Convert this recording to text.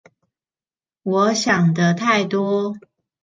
我想的太多